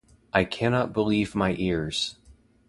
I cannot believe my ears.